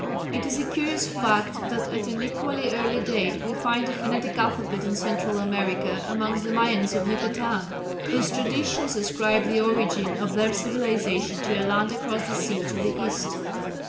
It is a curious fact that at an equally early date we find a phonetic alphabet in Central America amongst the Mayas of Yucatan, whose traditions ascribe the origin of their civilization to a land across the sea to the east.